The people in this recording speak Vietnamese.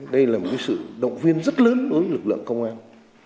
đây là một sự động viên rất lớn đối với lực lượng công an